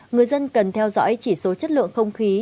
người dân cần theo dõi chỉ số chất lượng không khí